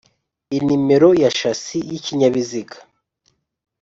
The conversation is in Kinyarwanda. inomero ya shasi y ikinyabiziga